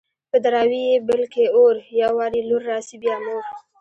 په دراوۍ يې بل کي اور _ يو وار يې لور راسي بيا مور